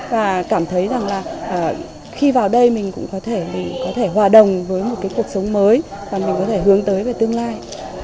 và cảm thấy rằng là khi vào đây mình cũng có thể hòa đồng với một cuộc sống mới mà mình có thể hướng tới về tương lai